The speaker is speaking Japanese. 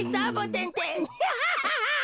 ハハハハハ！